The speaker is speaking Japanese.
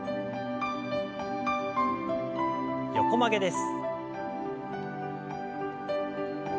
横曲げです。